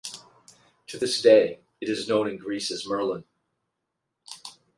To this day, it is known in Greece as "Merlin".